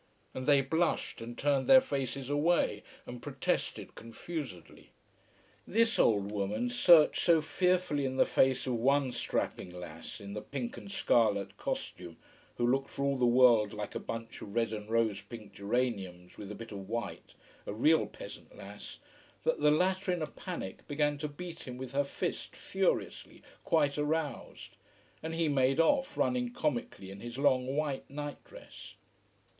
And they blushed and turned their faces away and protested confusedly. This old woman searched so fearfully in the face of one strapping lass in the pink and scarlet costume, who looked for all the world like a bunch of red and rose pink geraniums, with a bit of white, a real peasant lass that the latter in a panic began to beat him with her fist, furiously, quite aroused. And he made off, running comically in his long white nightdress.